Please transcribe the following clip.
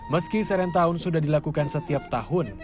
meski serentahun sudah dilakukan setiap tahun